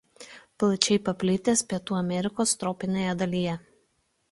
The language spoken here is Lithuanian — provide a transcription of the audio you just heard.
Plačiai paplitęs Pietų Amerikos tropinėje dalyje.